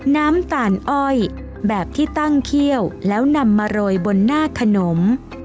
น้ำตาลอ้อยแบบที่ตั้งเคี่ยวแล้วนำมาโรยบนหน้าขนม